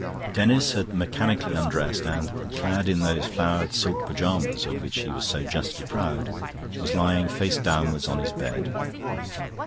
Denis had mechanically undressed and, clad in those flowered silk pyjamas of which he was so justly proud, was lying face downwards on his bed.